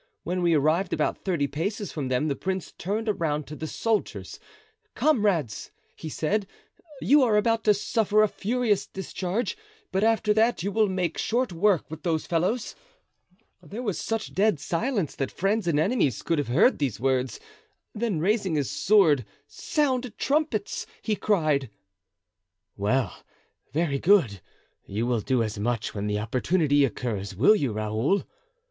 When we arrived about thirty paces from them the prince turned around to the soldiers: 'Comrades,' he said, 'you are about to suffer a furious discharge; but after that you will make short work with those fellows.' There was such dead silence that friends and enemies could have heard these words; then raising his sword, 'Sound trumpets!' he cried." "Well, very good; you will do as much when the opportunity occurs, will you, Raoul?"